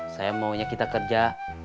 saya maunya kita kerja